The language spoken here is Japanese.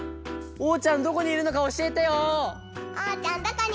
・おうちゃんどこにいるのかおしえてよ。